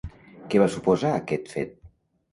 Què va suposar aquest fet?